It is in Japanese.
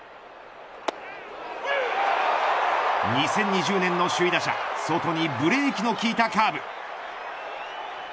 ２０２０年の首位打者、ソトにブレーキの利いたカーブ。